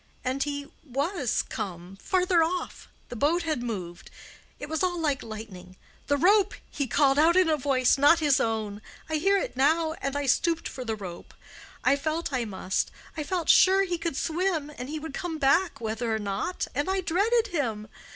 And he was come—farther off—the boat had moved. It was all like lightning. 'The rope!' he called out in a voice—not his own—I hear it now—and I stooped for the rope—I felt I must—I felt sure he could swim, and he would come back whether or not, and I dreaded him.